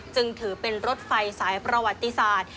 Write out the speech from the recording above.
จึงถือเป็นรถไฟสายประวัติศาสตร์